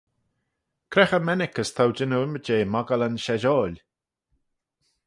Cre cho mennick as t'ou jannoo ymmyd jeh moggalyn-sheshoil?